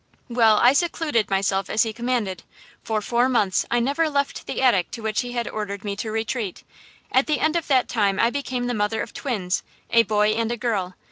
"Well, I secluded myself as he commanded. For four months I never left the attic to which he had ordered me to retreat. At the end of that time I became the mother of twins–a boy and a girl.